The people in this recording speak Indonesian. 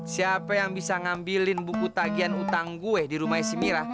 siapa yang bisa ngambilin buku tagian utang gue di rumah si mira